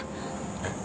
えっ？